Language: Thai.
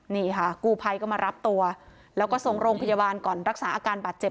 นี่ค่ะกู้ภัยก็มารับตัวแล้วก็ส่งโรงพยาบาลก่อนรักษาอาการบาดเจ็บ